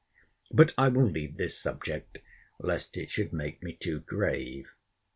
But I will leave this subject, least it should make me too grave.